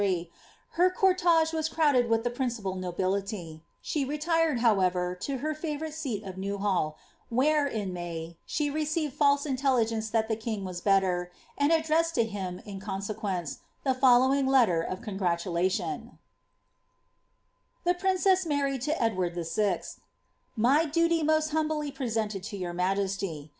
t, her cortege was crowded with the principal nobility. She retired, however, to her jiivourite seal of Tf ewhall, where, in Alay, she received false intelligence tliat the king was belter, and addressed to him, in consequence, the foU ^'itfwing leiter of congratulation: — ^H^ The pbisgim Mxit to Edwjbd VI* ^^KiMy duly moal huniblf presenlail io your maji^stjr.